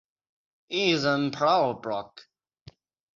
It is not part of block.